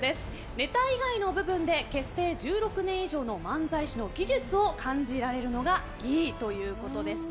ネタ以外の部分で結成１６年以上の漫才師の技術を感じられるのがいいということでした。